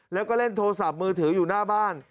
แล้วก็เล่นโทรศัพท์มือถืออยู่หน้าบ้าน